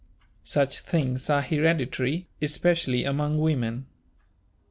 Such things are hereditary, especially among women.